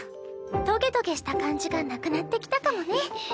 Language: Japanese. トゲトゲした感じがなくなってきたかもね。